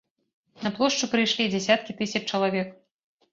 На плошчу прыйшлі дзясяткі тысяч чалавек.